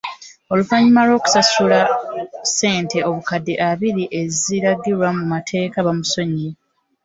Oluvannyuma lw'okusasula ssente obukadde abiri eziragirwa mu mateeka bamusonyiwa.